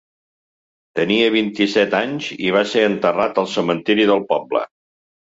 Tenia vint-i-set anys i va ser enterrat al cementiri del poble.